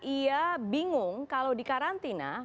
ia bingung kalau di karantina